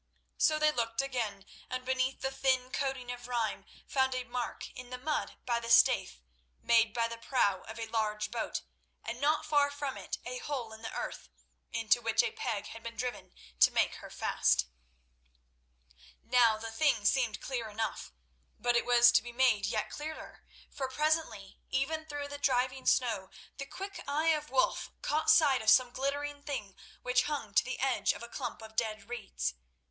So they looked again, and beneath the thin coating of rime, found a mark in the mud by the Staithe, made by the prow of a large boat, and not far from it a hole in the earth into which a peg had been driven to make her fast. Now the thing seemed clear enough, but it was to be made yet clearer, for presently, even through the driving snow, the quick eye of Wulf caught sight of some glittering thing which hung to the edge of a clump of dead reeds.